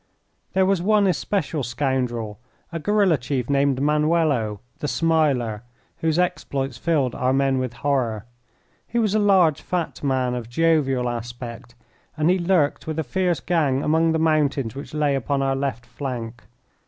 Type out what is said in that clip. There was one especial scoundrel, a guerilla chief named Manuelo, "The Smiler," whose exploits filled our men with horror. He was a large, fat man of jovial aspect, and he lurked with a fierce gang among the mountains which lay upon our left flank.